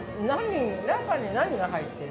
◆中に何が入ってる？